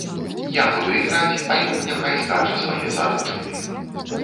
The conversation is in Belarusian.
Я буду іграць, а ён няхай скача свае заручыны.